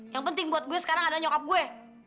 yang penting buat gue sekarang adalah nyokap gue